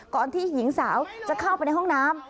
ที่หญิงสาวจะเข้าไปในห้องน้ำ